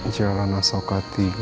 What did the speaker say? jalan asoka tiga